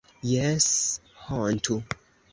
Jes, hontu!